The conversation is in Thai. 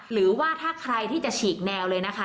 หรือว่าถ้าใครที่จะฉีกแนวเลยนะคะ